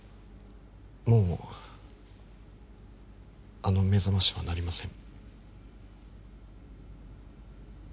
もうあの目覚ましは鳴りません